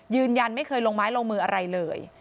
ยืนยันไม่เคยลงไม้ลงมืออะไรเลย